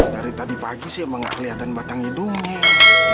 dari tadi pagi sih emang kelihatan batang hidungnya